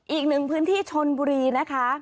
อีกหนึ่งพื้นที่ชนบุรีนะคะ